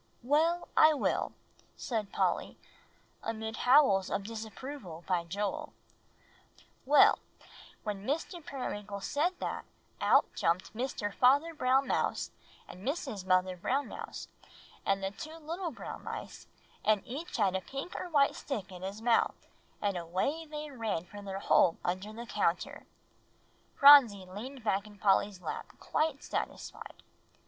"Well, I will," said Polly, amid howls of disapproval by Joel. "Well, when Mr. Periwinkle said that, out jumped Mr. Father Brown Mouse, and Mrs. Mother Brown Mouse, and the two little brown mice, and each had a pink or a white stick in his mouth, and away they ran for their hole under the counter." Phronsie leaned back in Polly's lap quite satisfied.